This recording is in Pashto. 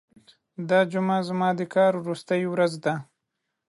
دا جمعه زما د کار وروستۍ ورځ ده.